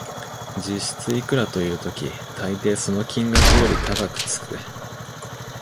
実質いくらという時、たいていその金額より高くつく